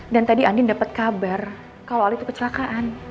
dan tadi andin dapet kabar kalau al itu kecelakaan